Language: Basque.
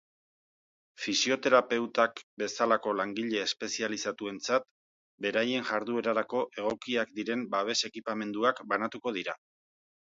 Fisioterapeutak bezalako langile espezializatuentzat, beraien jarduerarako egokiak diren babes ekipamenduak banatuko dira.